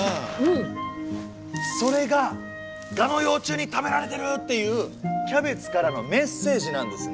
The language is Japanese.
それが「ガの幼虫に食べられてる」っていうキャベツからのメッセージなんですね。